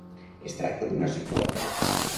Es tracta d'una seqüela?